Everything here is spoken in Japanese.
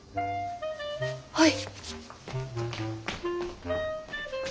はい。